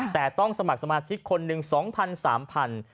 แต่ต้องสมัครสมาชิกคนหนึ่ง๒๐๐๓๐๐บาท